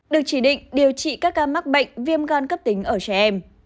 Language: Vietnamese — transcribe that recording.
được chỉ định điều trị các ca mắc bệnh viêm gan cấp tính ở trẻ em